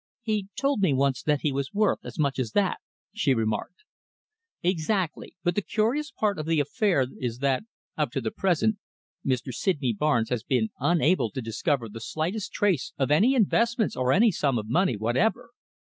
"He told me once that he was worth as much as that," she remarked, "Exactly, but the curious part of the affair is that, up to the present, Mr. Sydney Barnes has been unable to discover the slightest trace of any investments or any sum of money whatever.